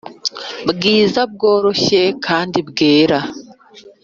bwiza bworoshye kandi bwera